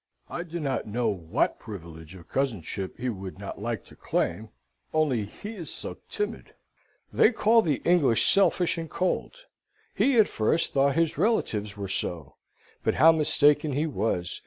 I do not know what privilege of cousinship he would not like to claim, only he is so timid. They call the English selfish and cold. He at first thought his relatives were so: but how mistaken he was!